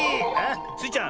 スイちゃん